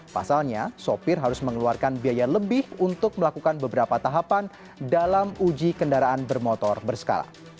pasalnya sopir harus mengeluarkan biaya lebih untuk melakukan beberapa tahapan dalam uji kendaraan bermotor berskala